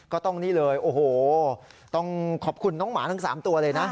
ก็ต้องนี่เลยโอ้โหต้องขอบคุณน้องหมาทั้ง๓ตัวเลยนะ